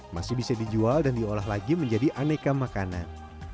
masih bisa dijual dan diolah lagi menjadi aneka makanan